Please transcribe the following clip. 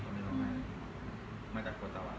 คนที่ร้องไห้เนี่ยมาจากโปรตาวัน